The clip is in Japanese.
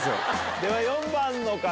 では４番の方。